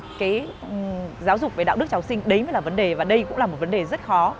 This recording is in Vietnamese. và cái giáo dục về đạo đức trào sinh đấy mới là vấn đề và đây cũng là một vấn đề rất khó